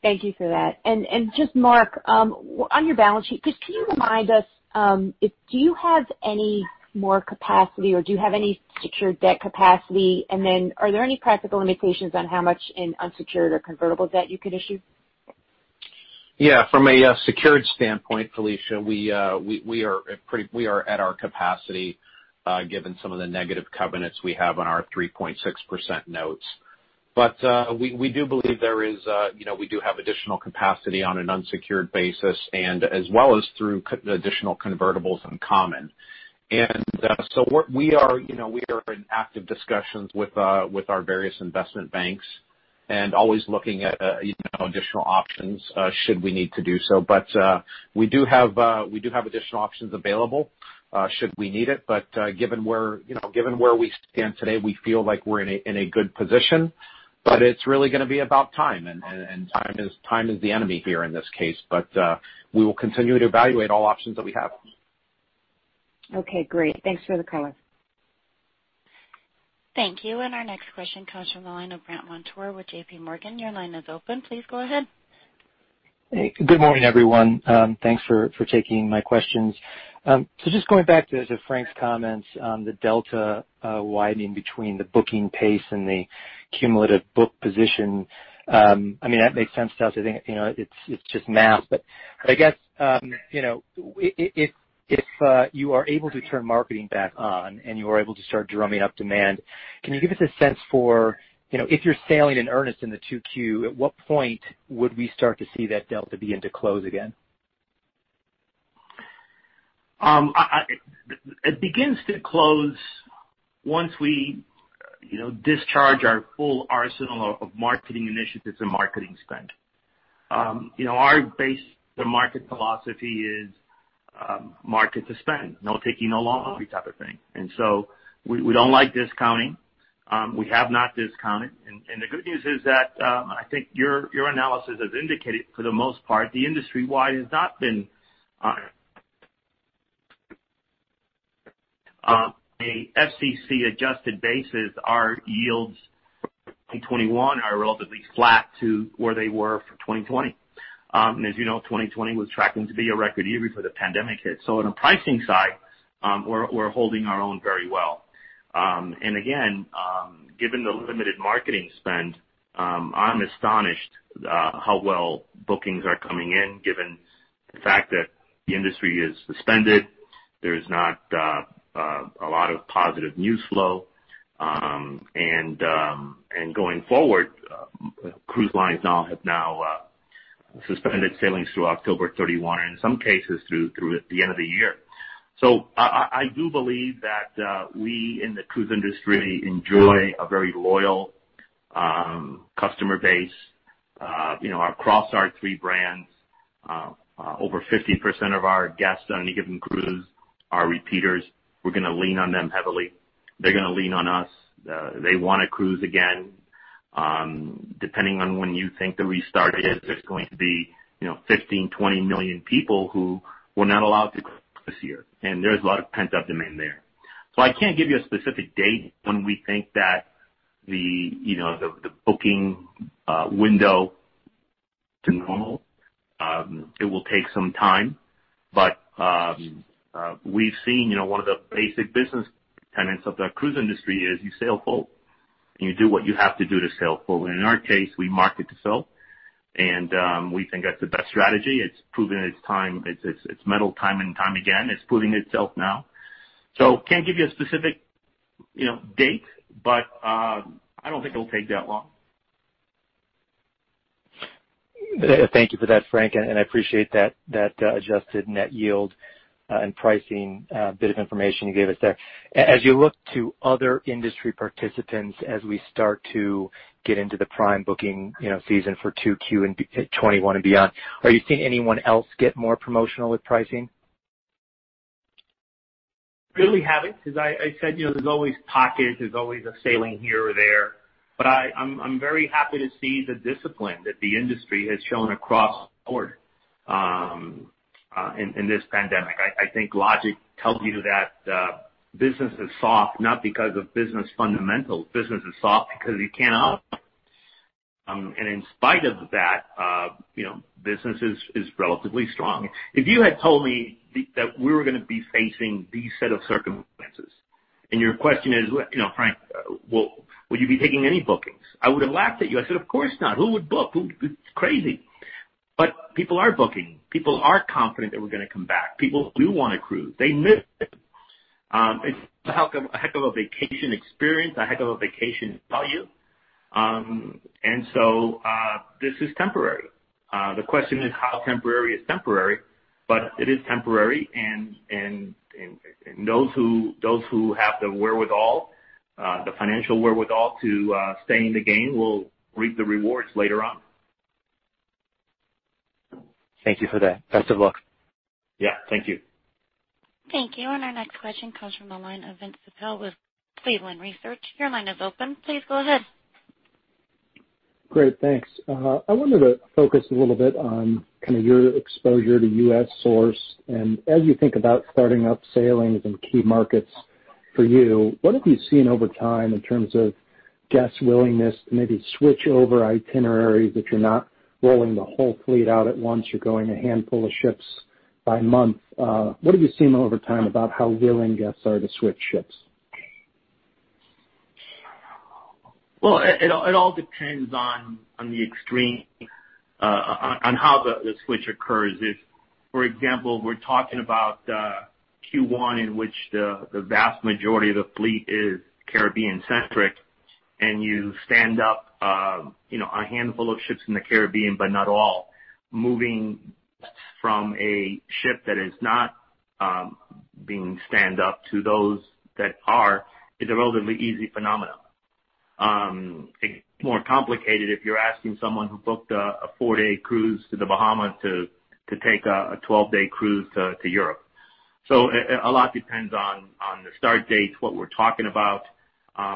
Thank you for that. Just Mark, on your balance sheet, just can you remind us, do you have any more capacity, or do you have any secured debt capacity? Are there any practical limitations on how much in unsecured or convertible debt you could issue? Yeah. From a secured standpoint, Felicia, we are at our capacity given some of the negative covenants we have on our 3.6% notes. We do believe we do have additional capacity on an unsecured basis and as well as through additional convertibles and common. We are in active discussions with our various investment banks and always looking at additional options should we need to do so. We do have additional options available should we need it. Given where we stand today, we feel like we're in a good position, but it's really going to be about time, and time is the enemy here in this case. We will continue to evaluate all options that we have. Okay, great. Thanks for the color. Thank you. Our next question comes from the line of Brandt Montour with JPMorgan. Your line is open. Please go ahead. Good morning, everyone. Thanks for taking my questions. Just going back to Frank's comments on the delta widening between the booking pace and the cumulative book position. That makes sense to us. I think it's just math. I guess if you are able to turn marketing back on and you are able to start drumming up demand, can you give us a sense for if you're sailing in earnest in the 2Q, at what point would we start to see that delta begin to close again? It begins to close once we discharge our full arsenal of marketing initiatives and marketing spend. Our base to market philosophy is market-to-stand, no taking a loss type of thing. We don't like discounting. We have not discounted. The good news is that I think your analysis has indicated, for the most part, the industry wide has not been on a FCC-adjusted basis, our yields in 2021 are relatively flat to where they were for 2020. As you know, 2020 was tracking to be a record year before the pandemic hit. On the pricing side, we're holding our own very well. Again, given the limited marketing spend, I'm astonished how well bookings are coming in, given the fact that the industry is suspended, there's not a lot of positive news flow. Going forward, cruise lines have now suspended sailings through October 31, in some cases through the end of the year. I do believe that we in the cruise industry enjoy a very loyal customer base. Across our three brands, over 50% of our guests on any given cruise are repeaters. We're going to lean on them heavily. They're going to lean on us. They want to cruise again. Depending on when you think the restart is, there's going to be 15 million, 20 million people who were not allowed to cruise this year, and there's a lot of pent-up demand there. I can't give you a specific date when we think that the booking window to normal. It will take some time. We've seen one of the basic business tenets of the cruise industry is you sail full, and you do what you have to do to sail full. In our case, we market-to-fill, and we think that's the best strategy. It's proven its mettle time and time again. It's proving itself now. Can't give you a specific date, but I don't think it'll take that long. Thank you for that, Frank, and I appreciate that adjusted net yield and pricing bit of information you gave us there. As you look to other industry participants as we start to get into the prime booking season for 2Q in 2021 and beyond, are you seeing anyone else get more promotional with pricing? Really haven't, because I said there's always pockets, there's always a sailing here or there. I'm very happy to see the discipline that the industry has shown across the board in this pandemic. I think logic tells you that business is soft, not because of business fundamentals. Business is soft because you can't operate. In spite of that, business is relatively strong. If you had told me that we were going to be facing these set of circumstances, and your question is, "Frank, will you be taking any bookings?" I would have laughed at you. I'd have said, "Of course not. Who would book? It's crazy." People are booking. People are confident that we're going to come back. People do want to cruise. They miss it. It's a heck of a vacation experience, a heck of a vacation value. This is temporary. The question is how temporary is temporary. It is temporary. Those who have the wherewithal, the financial wherewithal to stay in the game will reap the rewards later on. Thank you for that. Best of luck. Yeah. Thank you. Thank you. Our next question comes from the line of Vince Ciepiel with Cleveland Research. Your line is open. Please go ahead. Great. Thanks. I wanted to focus a little bit on your exposure to U.S. source. As you think about starting up sailings and key markets for you, what have you seen over time in terms of guest willingness to maybe switch over itineraries that you're not rolling the whole fleet out at once, you're going a handful of ships by month. What have you seen over time about how willing guests are to switch ships? Well, it all depends on the extreme, on how the switch occurs. If, for example, we're talking about Q1 in which the vast majority of the fleet is Caribbean-centric, and you stand up a handful of ships in the Caribbean, but not all, moving from a ship that is not being stand up to those that are, is a relatively easy phenomenon. It's more complicated if you're asking someone who booked a four-day cruise to the Bahamas to take a 12-day cruise to Europe. A lot depends on the start dates, what we're talking about.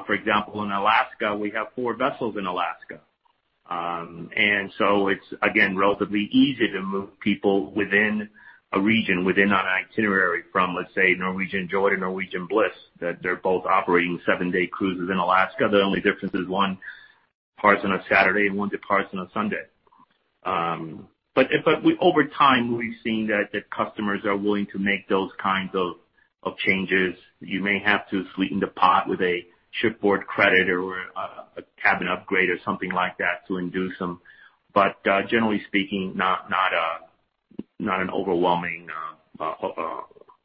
For example, in Alaska, we have four vessels in Alaska. It's, again, relatively easy to move people within a region, within an itinerary from, let's say, Norwegian Joy to Norwegian Bliss, that they're both operating seven-day cruises in Alaska. The only difference is one departs on a Saturday and one departs on a Sunday. Over time, we've seen that customers are willing to make those kinds of changes. You may have to sweeten the pot with a shipboard credit or a cabin upgrade or something like that to induce them. Generally speaking, not an overwhelming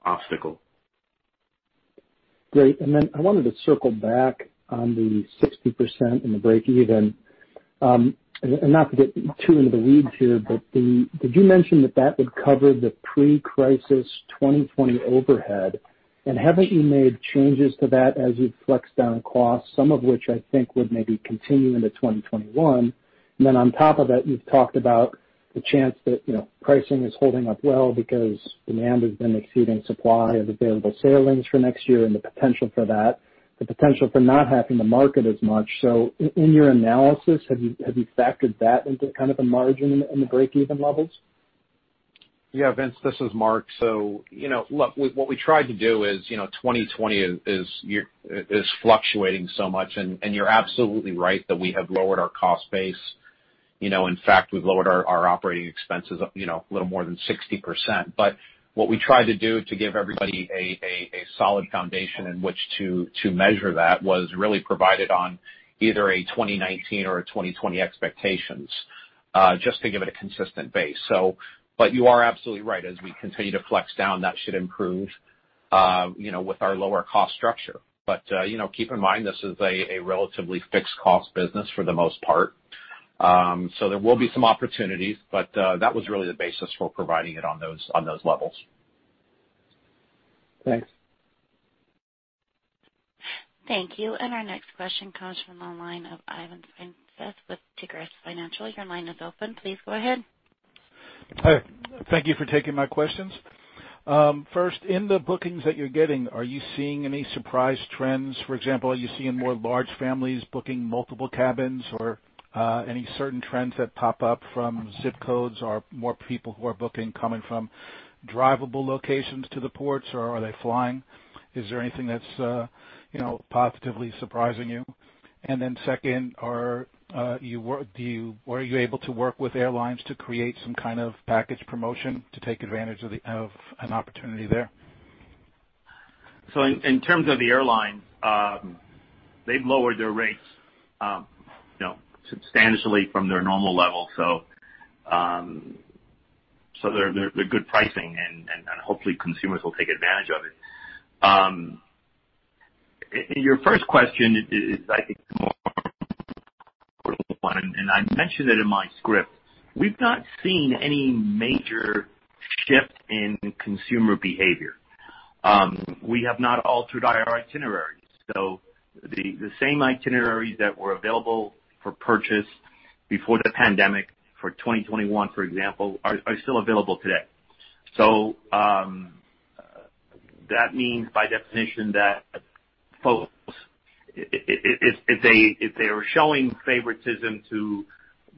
obstacle. Great. Then I wanted to circle back on the 60% and the breakeven. Not to get too into the weeds here, but did you mention that that would cover the pre-crisis 2020 overhead? Haven't you made changes to that as you've flexed down costs, some of which I think would maybe continue into 2021? Then on top of it, you've talked about the chance that pricing is holding up well because demand has been exceeding supply of available sailings for next year and the potential for that, the potential for not having to market as much. In your analysis, have you factored that into the margin in the breakeven levels? Yeah, Vince, this is Mark. What we tried to do is, 2020 is fluctuating so much, and you're absolutely right that we have lowered our cost base. We've lowered our operating expenses a little more than 60%. What we tried to do to give everybody a solid foundation in which to measure that was really provide it on either a 2019 or a 2020 expectations, just to give it a consistent base. You are absolutely right. As we continue to flex down, that should improve with our lower cost structure. Keep in mind, this is a relatively fixed cost business for the most part. There will be some opportunities, but that was really the basis for providing it on those levels. Thanks. Thank you. Our next question comes from the line of Ivan Feinseth with Tigress Financial. Your line is open. Please go ahead. Hi. Thank you for taking my questions. First, in the bookings that you're getting, are you seeing any surprise trends? For example, are you seeing more large families booking multiple cabins or any certain trends that pop up from ZIP codes? Are more people who are booking coming from drivable locations to the ports, or are they flying? Is there anything that's positively surprising you? Second, were you able to work with airlines to create some kind of package promotion to take advantage of an opportunity there? In terms of the airlines, they've lowered their rates substantially from their normal level. They're good pricing, and hopefully consumers will take advantage of it. Your first question is, I think, the more important one, and I mentioned it in my script. We've not seen any major shift in consumer behavior. We have not altered our itineraries. The same itineraries that were available for purchase before the pandemic for 2021, for example, are still available today. That means, by definition, that folks, if they are showing favoritism to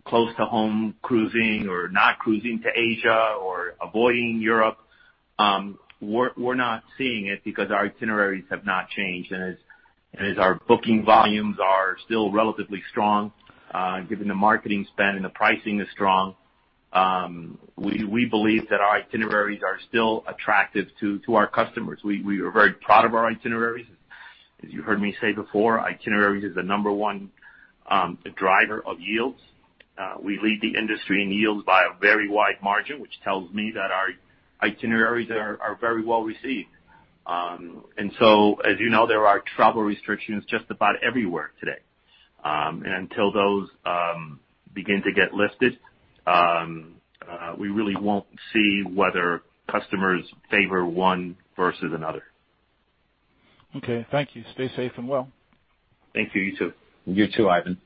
close-to-home cruising or not cruising to Asia or avoiding Europe, we're not seeing it because our itineraries have not changed. As our booking volumes are still relatively strong, given the marketing spend and the pricing is strong, we believe that our itineraries are still attractive to our customers. We are very proud of our itineraries. As you heard me say before, itineraries is the number one driver of yields. We lead the industry in yields by a very wide margin, which tells me that our itineraries are very well-received. As you know, there are travel restrictions just about everywhere today, and until those begin to get lifted, we really won't see whether customers favor one versus another. Okay. Thank you. Stay safe and well. Thank you. You too. You too, Ivan.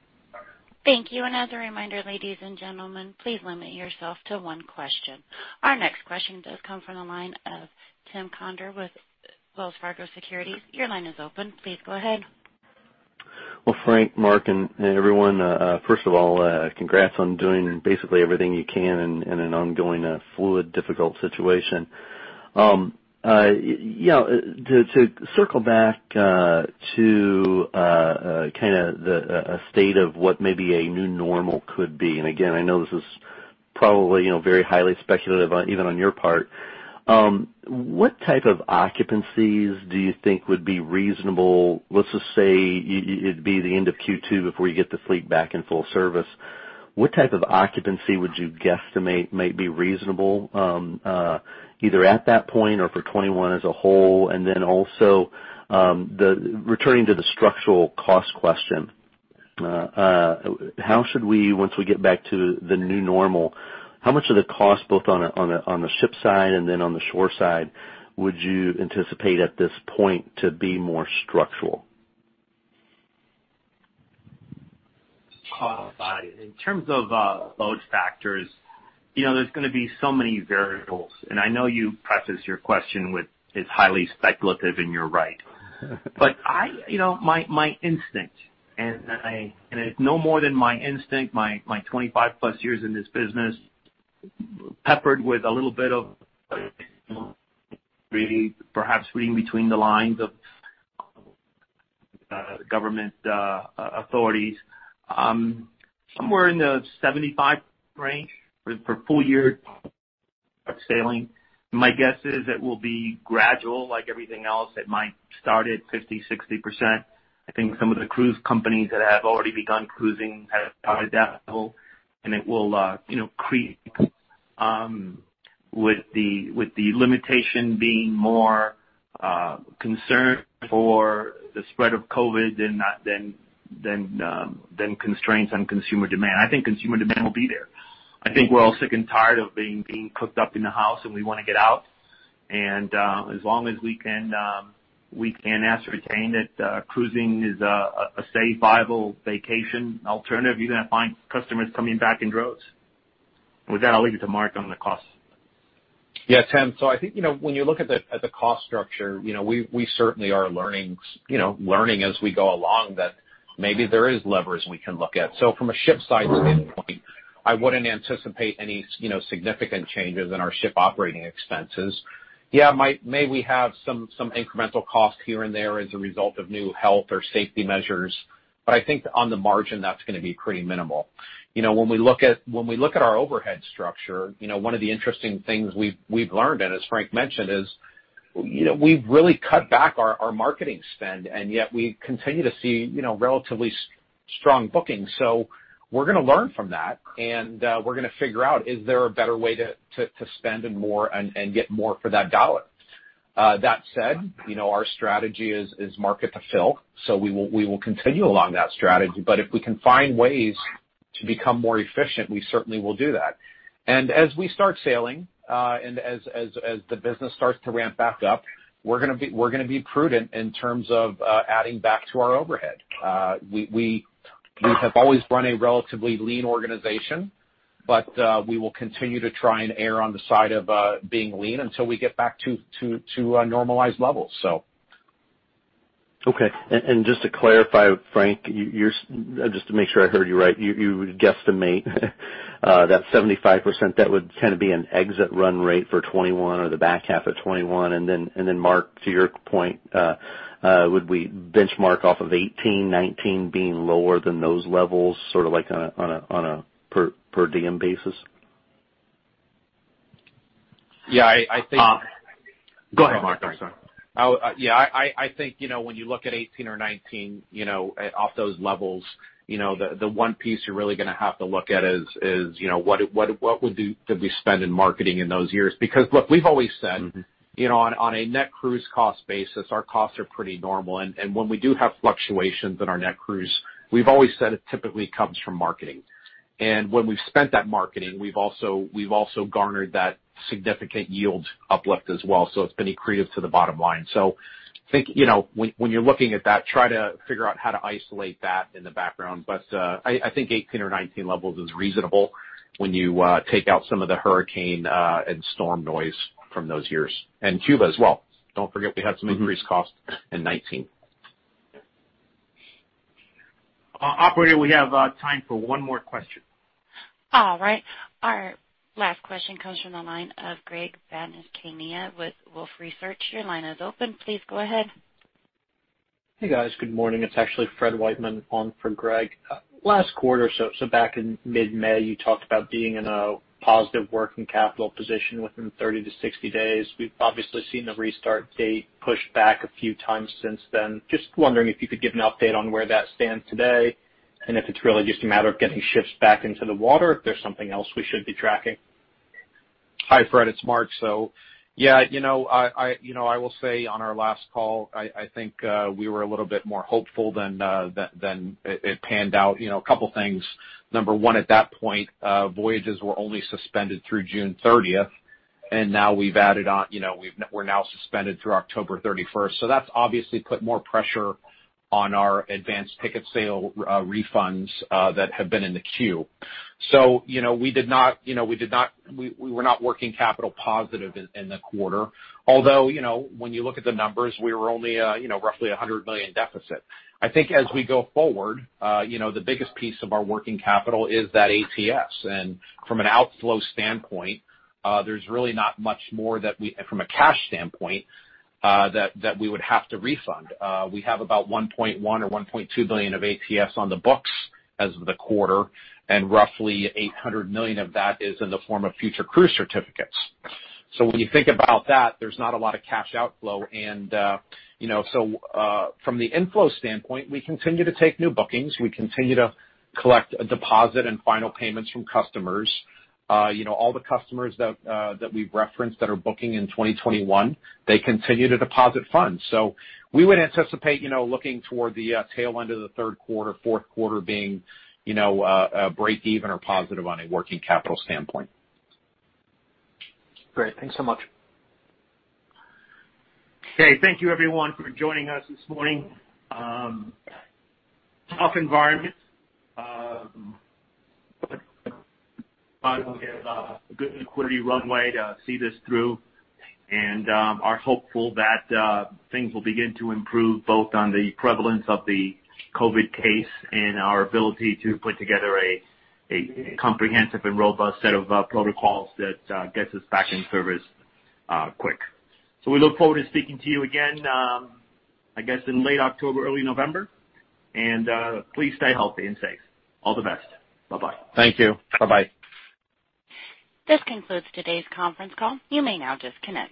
Thank you. As a reminder, ladies and gentlemen, please limit yourself to one question. Our next question does come from the line of Tim Conder with Wells Fargo Securities. Your line is open. Please go ahead. Well, Frank, Mark, and everyone, first of all, congrats on doing basically everything you can in an ongoing, fluid, difficult situation. To circle back to a state of what maybe a new normal could be, and again, I know this is probably very highly speculative, even on your part. What type of occupancies do you think would be reasonable? Let's just say it'd be the end of Q2 before you get the fleet back in full service. What type of occupancy would you guesstimate might be reasonable, either at that point or for 2021 as a whole? Returning to the structural cost question, once we get back to the new normal, how much of the cost, both on the ship side and then on the shore side, would you anticipate at this point to be more structural? In terms of both factors, there's going to be so many variables, and I know you preface your question with it's highly speculative, and you're right. My instinct, and it's no more than my instinct, my 25+ years in this business, peppered with a little bit of perhaps reading between the lines of government authorities, somewhere in the 75% range for full year of sailing. My guess is it will be gradual, like everything else. It might start at 50%, 60%. I think some of the cruise companies that have already begun cruising have found that level, and it will creep, with the limitation being more concern for the spread of COVID than constraints on consumer demand. I think consumer demand will be there. I think we're all sick and tired of being cooped up in the house, and we want to get out. As long as we can ascertain that cruising is a safe, viable vacation alternative, you're going to find customers coming back in droves. With that, I'll leave it to Mark on the costs. Yeah, Tim. I think when you look at the cost structure, we certainly are learning as we go along that maybe there is leverage we can look at. From a ship side standpoint, I wouldn't anticipate any significant changes in our ship operating expenses. Yeah, may we have some incremental costs here and there as a result of new health or safety measures, but I think on the margin, that's going to be pretty minimal. When we look at our overhead structure, one of the interesting things we've learned, and as Frank mentioned, is we've really cut back our marketing spend, and yet we continue to see relatively strong bookings. We're going to learn from that, and we're going to figure out, is there a better way to spend and get more for that dollar? That said, our strategy is market-to-fill. We will continue along that strategy, but if we can find ways to become more efficient, we certainly will do that. As we start sailing, and as the business starts to ramp back up, we're going to be prudent in terms of adding back to our overhead. We have always run a relatively lean organization, but we will continue to try and err on the side of being lean until we get back to normalized levels. Okay. Just to clarify, Frank, just to make sure I heard you right, you would guesstimate that 75%, that would kind of be an exit run rate for 2021 or the back half of 2021. Mark, to your point, would we benchmark off of 2018, 2019 being lower than those levels, sort of like on a per diem basis? Yeah. Go ahead, Mark. I'm sorry. Yeah, I think when you look at 2018 or 2019 off those levels, the one piece you're really going to have to look at is, what did we spend in marketing in those years? Look, we've always said on a net cruise cost basis, our costs are pretty normal. When we do have fluctuations in our net cruise, we've always said it typically comes from marketing. When we've spent that marketing, we've also garnered that significant yield uplift as well. It's been accretive to the bottom line. I think when you're looking at that, try to figure out how to isolate that in the background. I think 2018 or 2019 levels is reasonable when you take out some of the hurricane and storm noise from those years and Cuba as well. Don't forget we had some increased costs in 2019. Operator, we have time for one more question. All right. Our last question comes from the line of Greg Badishkanian with Wolfe Research. Your line is open. Please go ahead. Hey, guys. Good morning. It's actually Fred Wightman on for Greg Badishkanian. Last quarter, so back in mid-May, you talked about being in a positive working capital position within 30-60 days. We've obviously seen the restart date pushed back a few times since then. Just wondering if you could give an update on where that stands today, and if it's really just a matter of getting ships back into the water, or if there's something else we should be tracking? Hi, Fred, it's Mark. Yeah, I will say on our last call, I think we were a little bit more hopeful than it panned out. A couple things. Number one, at that point, voyages were only suspended through June 30th. Now we're now suspended through October 31st. That's obviously put more pressure on our advanced ticket sale refunds that have been in the queue. We were not working capital positive in the quarter. Although, when you look at the numbers, we were only roughly $100 million deficit. I think as we go forward, the biggest piece of our working capital is that ATS. From an outflow standpoint, there's really not much more that we, from a cash standpoint, that we would have to refund. We have about $1.1 or $1.2 billion of ATS on the books as of the quarter, and roughly $800 million of that is in the form of future cruise certificates. When you think about that, there's not a lot of cash outflow from the inflow standpoint, we continue to take new bookings. We continue to collect deposit and final payments from customers. All the customers that we've referenced that are booking in 2021, they continue to deposit funds. We would anticipate looking toward the tail end of the third quarter, fourth quarter being breakeven or positive on a working capital standpoint. Great. Thanks so much. Okay, thank you everyone for joining us this morning. Tough environment. good equity runway to see this through, and are hopeful that things will begin to improve, both on the prevalence of the COVID-19 case and our ability to put together a comprehensive and robust set of protocols that gets us back in service quick. We look forward to speaking to you again, I guess, in late October, early November. Please stay healthy and safe. All the best. Bye-bye. Thank you. Bye-bye. This concludes today's conference call. You may now disconnect.